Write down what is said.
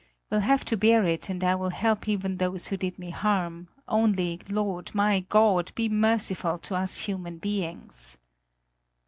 We'll have to bear it and I will help even those who did me harm; only, Lord, my God, be merciful to us human beings!"